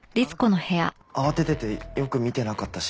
あの時は慌てててよく見てなかったし。